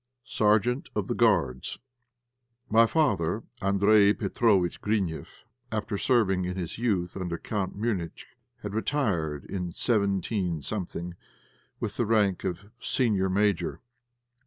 SERGEANT OF THE GUARDS. My father, Andréj Petróvitch Grineff, after serving in his youth under Count Münich, had retired in 17 with the rank of senior major.